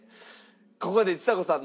ここでちさ子さん